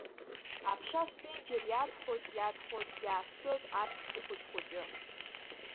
Аԥша сԥенџьыр иадхоит, иадхоит, иааскьоит аҵхгьы хәыҷ-хәыҷы.